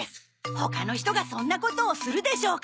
他の人がそんなことをするでしょうか？